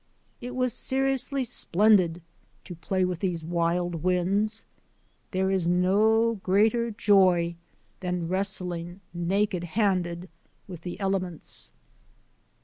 It was seriously splendid to play with these wild winds. There is no greater joy than wrestling naked handed with the elements.